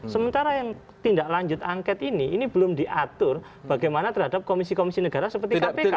sementara yang tindak lanjut angket ini ini belum diatur bagaimana terhadap komisi komisi negara seperti kpk